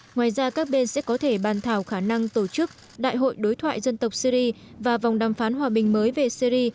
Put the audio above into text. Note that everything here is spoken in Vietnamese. ngoài ra các bên sẽ có thể bàn thảo khả năng tổ chức đại hội đối thoại dân tộc syri và vòng đàm phán hòa bình mới về syri